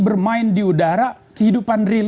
bermain di udara kehidupan real